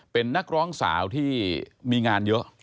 เป็นนักร้องสาวที่มีงานเยอะ